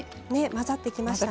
混ざってきましたね。